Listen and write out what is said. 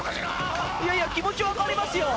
いやいや気持ち分かりますよ